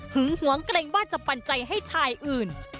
หึงหวงกลังว่าจะปัญใจให้ชายอื่น